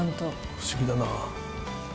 不思議だな。